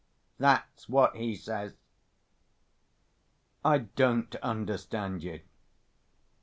That's what he says." "I don't understand you!"